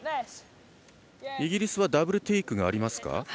イギリスはダブルテイクがありますか。